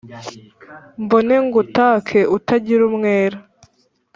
Mbone ngutake utagira umwera